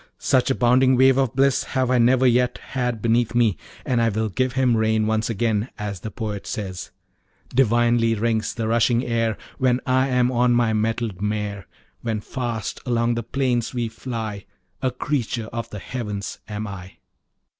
such a bounding wave of bliss have I never yet had beneath me, and I will give him rein once again; as the poet says: "Divinely rings the rushing air When I am on my mettled mare: When fast along the plains we fly, A creature of the heavens am I."